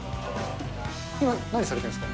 今、何されてるんですか？